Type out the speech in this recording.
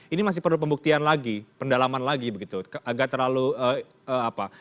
ini masih perlu pembuktian lagi pendalaman lagi begitu agak terlalu apa